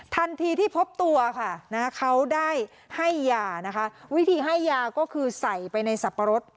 ทันทีที่พบตัวค่ะเขาได้ให้ยานะคะวิธีให้ยาก็คือใส่ไปในสับปะรด